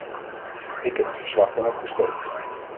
Ik heb het verslag dan ook gesteund.